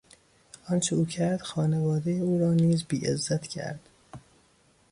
آنچه او کرد خانوادهی او را نیز بیعزت کرد.